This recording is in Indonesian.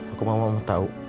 aku mau tahu